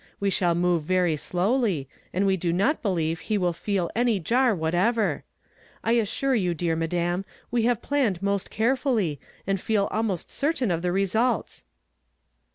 We shall move very slowly, and we do not believe lie will feel any jar whatever. I as sui'e you, dear madam, we have planned most care fully, and feel almost certain of the results."